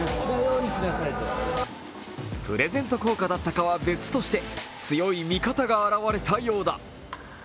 プレゼント効果だったかは別として強い味方が現れたようだ。